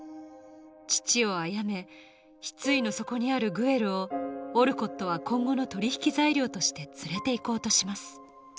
父を殺め失意の底にあるグエルをオルコットは今後の取り引き材料として連れていこうとします